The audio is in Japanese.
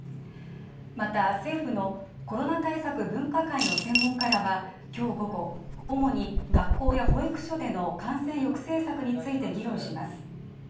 また政府のコロナ対策分科会の専門家らはきょう午後主に学校や保育所での感染抑制策について議論します